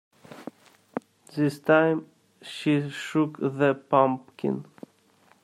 This time she shook the pumpkin.